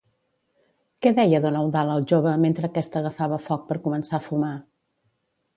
Què deia don Eudald al jove mentre aquest agafava foc per començar a fumar?